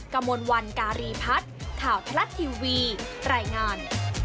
กระมวลวันการีพัฒน์ข่าวทรัฐทีวีรายงาน